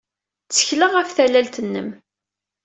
Ttekleɣ ɣef tallalt-nnem.